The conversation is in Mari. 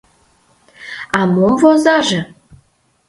— А мом возаже?